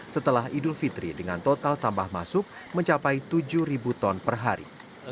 setelah idul fitri dengan total sampah masuk mencapai tujuh ton per hari